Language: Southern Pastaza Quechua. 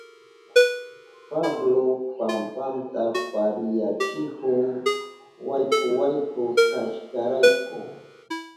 Pablo pampanta parihuyachihun wayku wayku kashkanrayku.